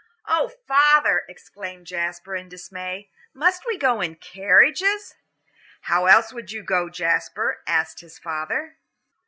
"Oh, father," exclaimed Jasper, in dismay, "must we go in carriages?" "How else would you go, Jasper?" asked his father.